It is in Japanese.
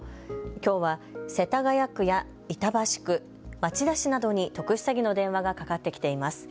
きょうは世田谷区や板橋区、町田市などに特殊詐欺の電話がかかってきています。